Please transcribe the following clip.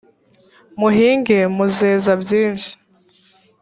muhinge muzeza byinshi.